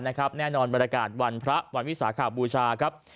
แน่นอนบรรยากาศวันพระวันวิสาขบูชาครับ